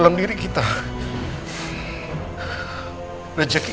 bunda ini mulai